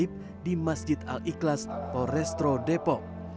salat gaib di masjid al ikhlas polres metro depok